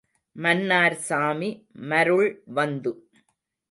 மன்னார்சாமி மருள் வந்து.